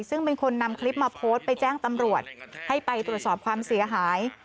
ซึ่งเป็นคนนำคลิปมาโพสต์ไปแจ้งตำรวจให้ไปตรวจสอบความเสียหาย